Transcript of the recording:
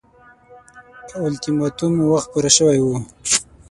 اولتیماتوم وخت پوره شوی وو.